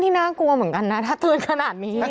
พี่ขับรถไปเจอแบบ